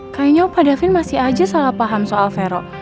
kayanya opa devin masih aja salah paham soal vero